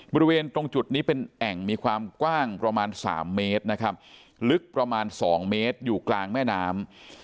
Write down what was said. บริเวณตรงจุดนี้เป็นแอ่งมีความกว้างประมาณ๓เมตรนะครับลึกประมาณ๒เมตรอยู่กลางแม่น้ำ